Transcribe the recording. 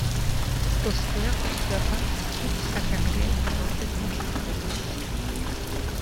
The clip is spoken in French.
Kosberg fera toute sa carrière dans cette entreprise.